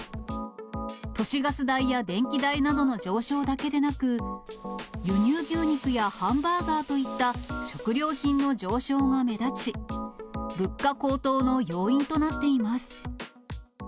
都市ガス代や電気代などの上昇だけでなく、輸入牛肉やハンバーガーといった食料品の上昇が目立ち、物価高騰の要因となっています。